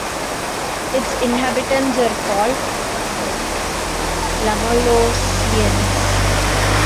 Its inhabitants are called "Lamalousiens".